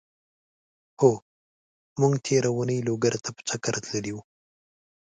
هو! مونږ تېره اونۍ لوګر ته په چګر تللی وو.